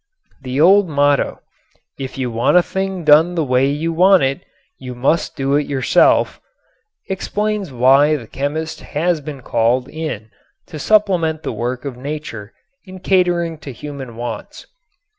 The old motto, "If you want a thing done the way you want it you must do it yourself," explains why the chemist has been called in to supplement the work of nature in catering to human wants.